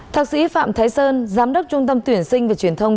thạc sĩ phạm thái sơn giám đốc trung tâm tuyển sinh và truyền thông